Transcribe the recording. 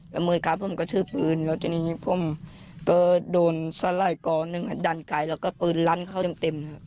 แล้วมือขาผมก็ถือปืนแล้วทีนี้ผมก็โดนสไล่กอหนึ่งดันไกลแล้วก็ปืนลั้นเข้าเต็มครับ